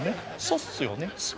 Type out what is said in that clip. そっすよね